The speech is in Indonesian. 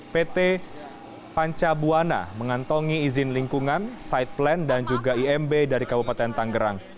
pt panca buana mengantongi izin lingkungan side plan dan juga imb dari kabupaten tanggerang